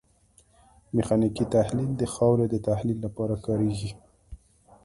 میخانیکي تحلیل د خاورې د تحلیل لپاره کاریږي